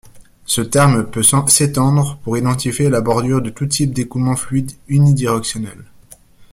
Ce terme peut s'étendre pour identifier la bordure de tout type d'écoulement fluide unidirectionnel.